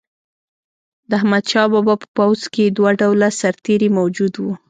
د احمدشاه بابا په پوځ کې دوه ډوله سرتیري موجود وو.